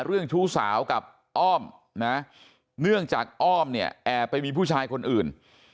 เรื่องชู้สาวกับอ้อมนะเนื่องจากอ้อมเนี่ยแอบไปมีผู้ชายคนอื่น